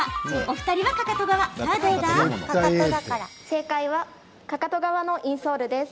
正解はかかと側のインソールです。